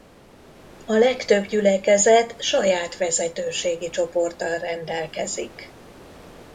A legtöbb gyülekezet saját vezetőségi csoporttal rendelkezik.